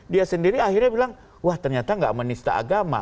dia sendiri akhirnya bilang wah ternyata nggak menista agama